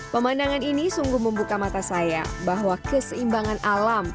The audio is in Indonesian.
pemandangan ini sungguh membuka mata saya bahwa keseimbangan alam